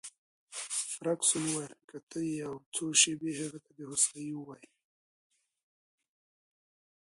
فرګوسن وویل: که ته یو څو شپې هغې ته د هوسایۍ وواېې.